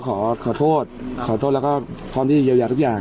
ขอโทษขอโทษแล้วก็พร้อมที่เยียวยาทุกอย่าง